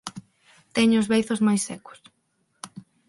Teño os beizos moi secos